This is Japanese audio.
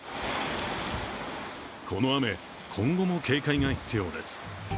この雨、今後も警戒が必要です。